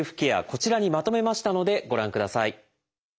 こちらにまとめましたのでご覧ください。